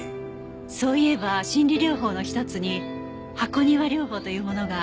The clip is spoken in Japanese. そういえば心理療法の１つに箱庭療法というものがありますね。